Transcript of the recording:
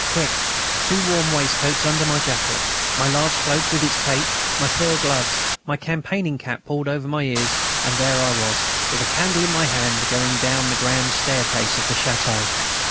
Quick! Two warm waistcoats under my jacket, my large cloak with its cape, my fur gloves, my campaigning cap pulled over my ears, and there I was, with a candle in my hand, going down the grand staircase of the château.